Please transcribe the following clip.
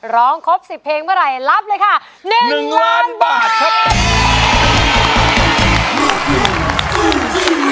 ร้องครบ๑๐เพลงเมื่อไหร่รับเลยค่ะ๑ล้านบาทครับ